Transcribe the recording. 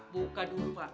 buka dulu pak